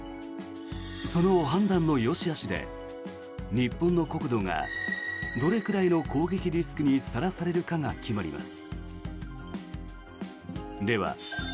その判断のよしあしで日本の国土がどれくらいの攻撃リスクにさらされるかが決まります。